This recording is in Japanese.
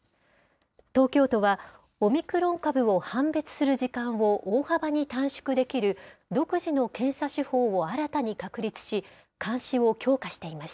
東京都は、オミクロン株を判別する時間を大幅に短縮できる、独自の検査手法を新たに確立し、監視を強化しています。